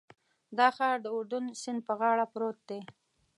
دا ښار د اردن سیند په غاړه پروت دی.